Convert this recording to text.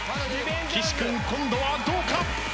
岸君今度はどうか！？